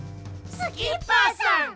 スキッパーさん！